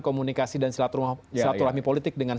komunikasi dan silaturahmi politik dengan